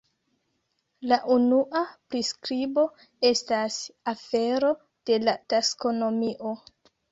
La unua priskribo estas afero de la taksonomio.